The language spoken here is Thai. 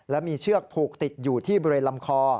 และมีเชือกผูกติดอยู่ที่บริเวณลำคอ